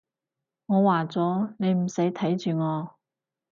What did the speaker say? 我話咗，你唔使睇住我